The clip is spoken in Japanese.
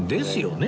ね